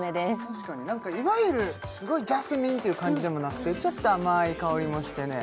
確かに何かいわゆるすごいジャスミンっていう感じでもなくてちょっと甘い香りもしてね